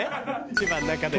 千葉の中では。